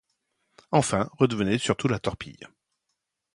Enfin, redevenez surtout la Torpille.